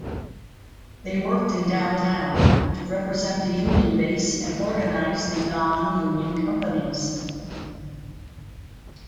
They worked in downtown to represent the union base and organize the non-union companies.